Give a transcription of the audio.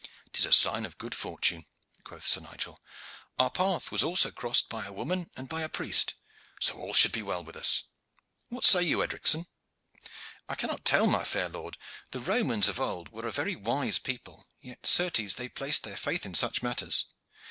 "'Tis a sign of good fortune," quoth Sir Nigel. "Our path was also crossed by a woman and by a priest, so all should be well with us. What say you, Edricson?" "I cannot tell, my fair lord. The Romans of old were a very wise people, yet, certes, they placed their faith in such matters.